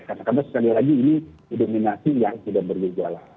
karena sekali lagi ini dominasi yang sudah bergejala